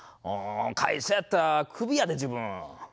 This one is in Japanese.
会社やったらクビやで、自分。